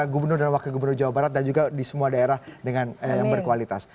gubernur dan wakil gubernur jawa barat dan juga di semua daerah yang berkualitas